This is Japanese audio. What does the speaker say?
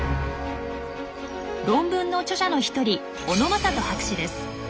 論文の著者の一人小野正人博士です。